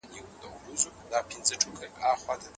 پیسه د څېړنې په اړه ستونزې رامنځته کوي.